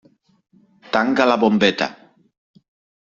Tanca la bombeta.